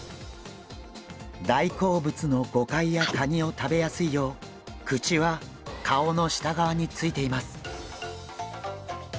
大好物のゴカイやカニを食べやすいよう口は顔の下側についています。